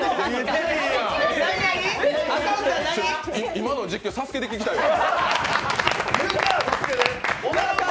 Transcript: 今の実況、「ＳＡＳＵＫＥ」で聞きたいわ。